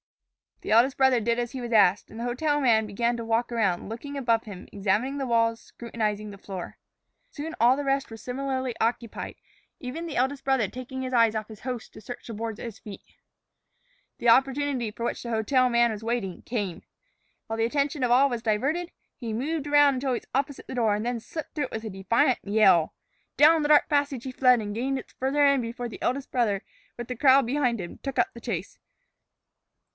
The eldest brother did as he was asked, and the hotel man began to walk about, looking above him, examining the walls, scrutinizing the floor. Soon all the rest were similarly occupied, even the eldest brother taking his eyes off his host to search the boards at his feet. The opportunity for which the hotel man was waiting came. While the attention of all was diverted, he moved around until he was opposite the door, and then slipped through it with a defiant yell. Down the dark passage he fled, and gained its farther end before the eldest brother, with the crowd behind him, took up the chase.